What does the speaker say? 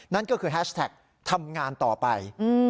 นั่นก็คือแฮชแท็กทำงานต่อไป